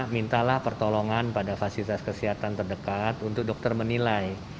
mintalah pertolongan pada fasilitas kesehatan terdekat untuk dokter menilai